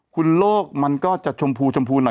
คุณโลกมันก็จะชมพูชมพูหน่อย